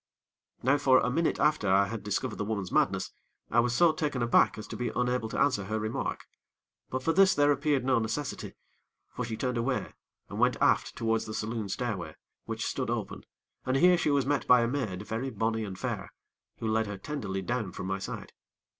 Now for a minute after I had discovered the woman's madness, I was so taken aback as to be unable to answer her remark; but for this there appeared no necessity; for she turned away and went aft towards the saloon stairway, which stood open, and here she was met by a maid very bonny and fair, who led her tenderly down from my sight.